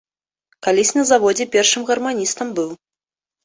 Калісь на заводзе першым гарманістам быў.